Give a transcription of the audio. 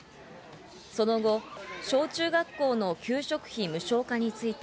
その後、小中学校の給食費無償化について、